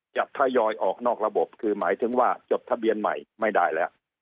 ทยอยออกนอกระบบคือหมายถึงว่าจดทะเบียนใหม่ไม่ได้แล้ว